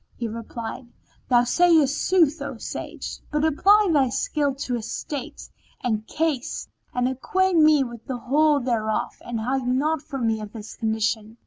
"[FN#12] He replied, Thou sayest sooth, O sage, but apply thy skill to his state and case, and acquaint me with the whole thereof and hide naught from me of his condition."